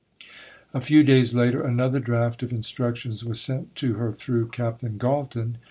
A few days later another draft of instructions was sent to her through Captain Galton.